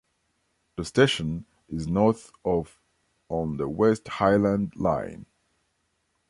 The station is north of on the West Highland Line.